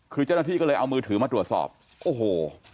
คือเจ้าหน้าที่ก็เลยเอามือถือมาตรวจสอบโอ้โห